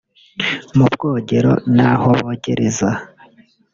mu bwogero n’aho bogereza